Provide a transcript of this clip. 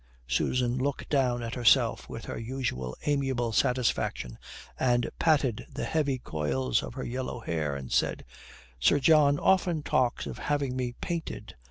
Susan looked down at herself with her usual amiable satisfaction and patted the heavy coils of her yellow hair and said: "Sir John often talks of having me painted.